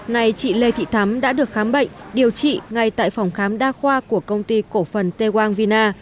nay chị lê thị thắm đã được khám bệnh điều trị ngay tại phòng khám đa khoa của công ty cổ phần tê quang vina